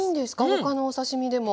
他のお刺身でも。